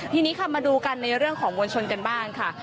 ทีนี้ค่ะมาดูกันในเรื่องของมวลชนกันบ้างค่ะ